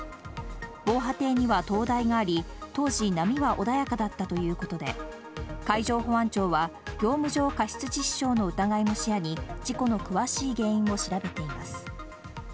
防波堤には灯台があり、当時波は穏やかだったということで、海上保安庁は業務上過失致死傷の疑いも視野に、事故の詳しい原因を調べています。